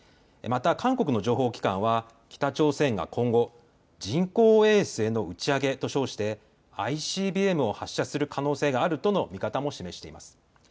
また韓国の情報機関は北朝鮮が今後、人工衛星の打ち上げと称してＩＣＢＭを発射する可能性があるとの見方も示しています。